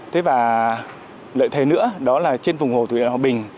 thế và lợi thế nữa đó là trên vùng hồ thủy lợi hòa bình